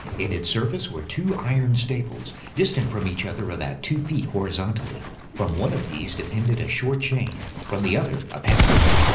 In its surface were two iron staples, distant from each other about two feet, horizontally. From one of these depended a short chain, from the other a padlock.